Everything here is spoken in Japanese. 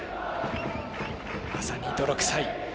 まさに泥臭い。